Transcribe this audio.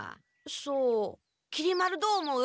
そうきり丸どう思う？